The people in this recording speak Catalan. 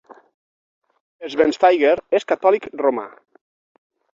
Schweinsteiger és catòlic romà.